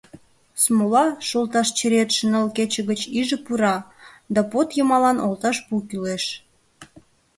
Смола, шолташ черетше ныл кече гыч иже пура, да под йымалан олташ пу кӱлеш.